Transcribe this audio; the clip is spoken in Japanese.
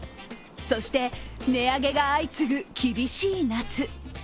そして、値上げが相次ぐ厳しい夏。